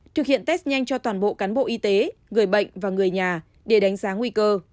thực hiện test nhanh cho toàn bộ cán bộ y tế người bệnh và người nhà để đánh giá nguy cơ